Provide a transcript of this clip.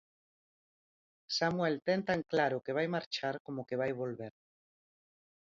Samuel ten tan claro que vai marchar como que vai volver.